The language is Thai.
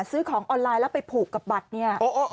ซื้อของออนไลน์แล้วไปผูกกับบัตรเนี่ย